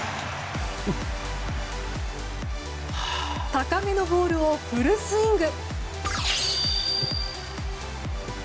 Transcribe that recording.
高めのボールをフルスイング！